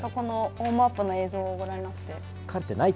ウォームアップの様子をご覧になって。